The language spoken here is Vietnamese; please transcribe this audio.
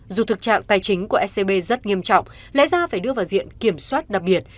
dù thực trạng tài chính của scb rất nghiêm trọng lẽ ra phải đưa vào diện kiểm soát đặc biệt